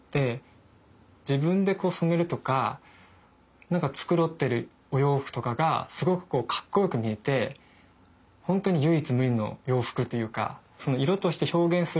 自分でこう染めるとか何か繕ってるお洋服とかがすごくこうかっこよく見えて本当に唯一無二の洋服というか。